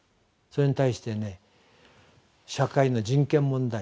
それに対してね社会の人権問題